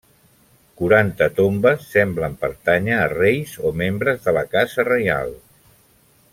Quaranta tombes semblen pertànyer a reis o membres de la casa reial.